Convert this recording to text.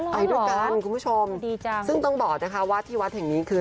อ๋อเหรอดีจังดูกันคุณผู้ชมซึ่งต้องบอกว่าที่วัดแห่งนี้คือ